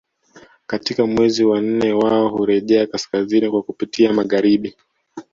Katika mwezi wa nne wao hurejea kaskazini kwa kupitia magharibi